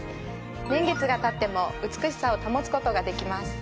年月が経っても美しさを保つ事ができます。